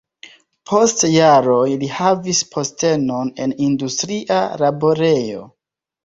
Post jaroj li havis postenon en industria laborejo.